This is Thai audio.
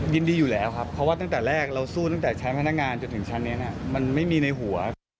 ยินดีอยู่แล้วครับเพราะว่าตั้งแต่แรกเราสู้ตั้งแต่ชั้นพนักงานจนถึงชั้นนี้มันไม่มีในหัว